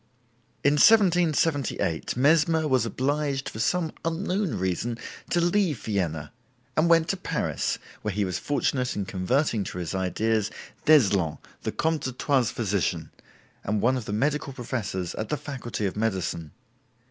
In 1778 Mesmer was obliged for some unknown reason to leave Vienna, and went to Paris, where he was fortunate in converting to his ideas d'Eslon, the Comte d'Artois's physician, and one of the medical professors at the Faculty of Medicine.